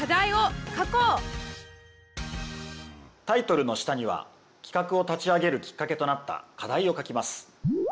タイトルの下には企画を立ち上げるきっかけとなった課題を書きます。